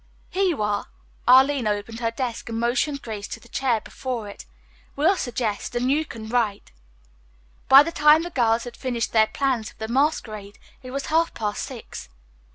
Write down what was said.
"Here you are." Arline opened her desk and motioned Grace to the chair before it. "We'll suggest, and you can write." By the time the girls had finished their plans for the masquerade it was half past six.